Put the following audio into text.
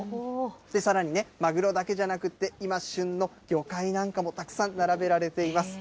さらにね、マグロだけじゃなくて、今旬の魚介なんかもたくさん並べられています。